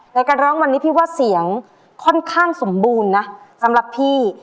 ร้องวันนี้พี่ว่าเสียงค่อนข้างสมบูรณ์นะสำหรับพี่